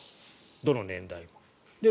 どの年代も。